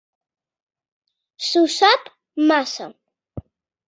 S'ho sap massa.